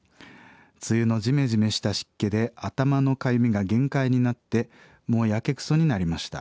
梅雨のジメジメした湿気で頭のかゆみが限界になってもうやけくそになりました。